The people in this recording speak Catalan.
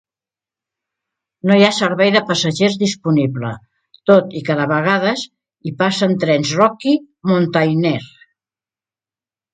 No hi ha servei de passatgers disponible, tot i que de vegades hi passen trens Rocky Mountaineer.